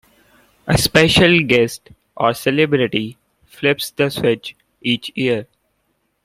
A special guest or celebrity "flips the switch" each year.